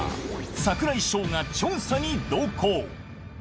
櫻井翔が調査に同行。